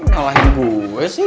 ngalahin gue sih